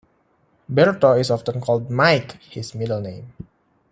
Berto is often called "Mike", his middle name.